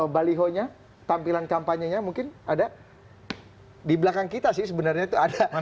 baliho nya tampilan kampanye nya mungkin ada di belakang kita sih sebenarnya itu ada